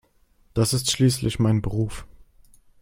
Das ist schließlich mein Beruf.